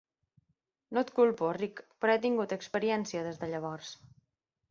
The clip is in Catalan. No et culpo, Rick, però he tingut experiència des de llavors.